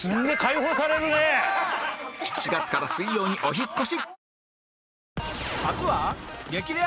４月から水曜にお引っ越し